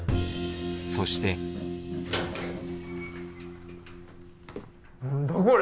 そしてなんだこれ！？